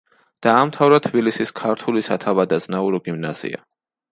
დაამთავრა თბილისის ქართული სათავადაზნაურო გიმნაზია.